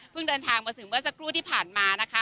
เดินทางมาถึงเมื่อสักครู่ที่ผ่านมานะคะ